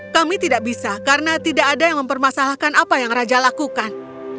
kami tidak bisa karena tidak ada yang mempermasalahkan apa yang raja lakukan